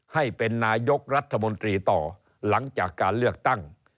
ให้เป็นนายกรัฐมนตรีต่อหลังจากการเลือกตั้ง